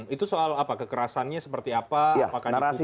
itu soal apa kekerasannya seperti apa apakah dibutuhkan